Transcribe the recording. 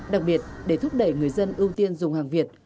đặc biệt để thúc đẩy người dân ưu tiên dùng hàng việt